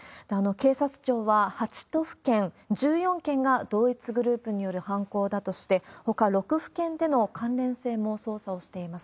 警察庁は、８都府県１４件が同一グループによる犯行だとして、ほか６府県での関連性も捜査をしています。